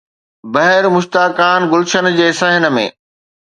بهر مشتاقان گلشن جي صحن ۾